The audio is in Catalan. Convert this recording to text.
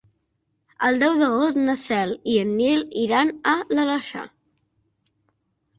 El deu d'agost na Cel i en Nil iran a l'Aleixar.